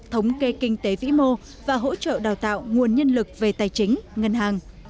thống kê kinh tế vĩ mô và hỗ trợ đào tạo nguồn nhân lực về tài chính ngân hàng